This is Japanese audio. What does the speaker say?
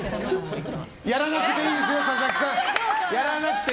やらなくていいですよ佐々木さん。